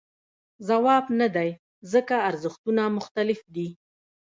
ځواب نه دی ځکه ارزښتونه مختلف دي.